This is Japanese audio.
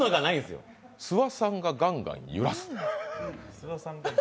諏訪さんがガンガン揺らす？